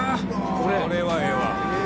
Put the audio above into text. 「これはええわ」